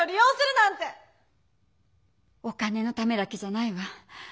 お金のためだけじゃないわ。